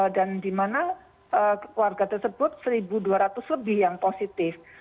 dan di mana keluarga tersebut satu dua ratus lebih yang positif